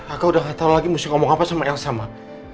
aku udah gak tau lagi harus ngomong apa sama elsa mak